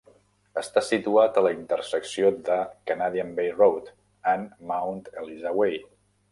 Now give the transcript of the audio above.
Està situat a la intersecció de Canadian Bay Road amb Mount Eliza Way.